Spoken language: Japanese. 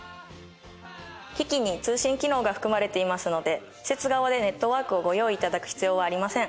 機器に通信機能が含まれていますので施設側でネットワークをご用意いただく必要はありません。